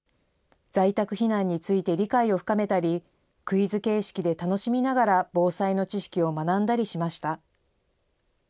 在宅避難について理解を深めたり、クイズ形式で楽しみながら、防災の知識を学んだりしました。